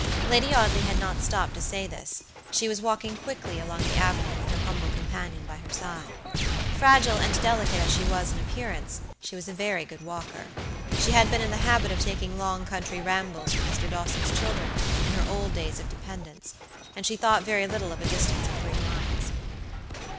Lady Audley had not stopped to say this; she was walking quickly along the avenue with her humble companion by her side. Fragile and delicate as she was in appearance, she was a very good walker. She had been in the habit of taking long country rambles with Mr. Dawson's children in her old days of dependence, and she thought very little of a distance of three miles.